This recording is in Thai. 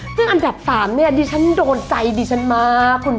ซึ่งอันดับ๓เนี่ยดิฉันโดนใจดิฉันมาก